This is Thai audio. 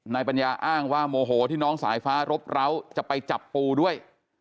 ปัญญาอ้างว่าโมโหที่น้องสายฟ้ารบร้าวจะไปจับปูด้วย